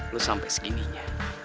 lo sampe segininya